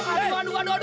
aduh aduh aduh